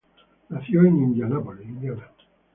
Nació en Indianápolis, Indiana.